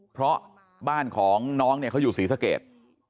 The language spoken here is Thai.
เพราะบ้านของน้องเนี่ยเขาอยู่ศรีสเกต